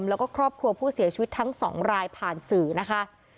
แล้วก็ครอบครัวผู้เสียชีวิตทั้งสองรายผ่านสื่อนะคะ